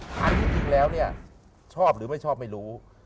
ถามจริงแล้วชอบหรือไม่ชอบไม่รู้